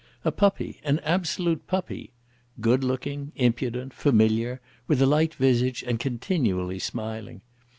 A puppy, an absolute puppy! Good looking, impudent, familiar, with a light visage, and continually smiling!